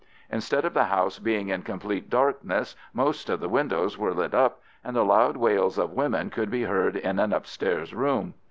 Instead of the house being in complete darkness, most of the windows were lit up, and the loud wails of women could be heard in an upstairs room.